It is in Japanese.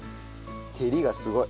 照りがすごい。